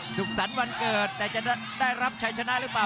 สุขสรรค์วันเกิดแต่จะได้รับชัยชนะหรือเปล่า